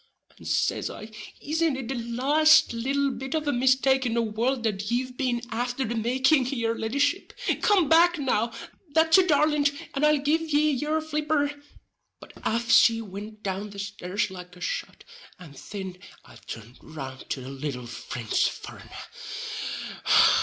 And says I: "Isn't it the laste little bit of a mistake in the world that ye've been afther the making, yer leddyship? Come back now, that's a darlint, and I'll give ye yur flipper." But aff she wint down the stairs like a shot, and thin I turned round to the little Frinch furrenner.